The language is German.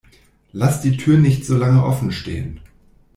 Lass die Tür nicht so lange offen stehen!